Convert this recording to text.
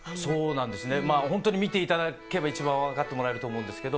本当に見ていただけば一番分かってもらえると思うんですけど。